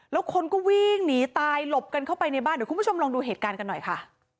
แล้วคนก็วิ่งหนีตายหลบกันเข้าไปในบ้านเดี๋ยวคุณผู้ชมลองดูเหตุการณ์กันหน่อยค่ะ